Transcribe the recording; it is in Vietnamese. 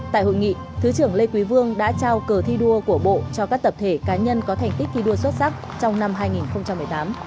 tại hội nghị thứ trưởng lê quý vương đã trao cờ thi đua của bộ cho các tập thể cá nhân có thành tích thi đua xuất sắc trong năm hai nghìn một mươi tám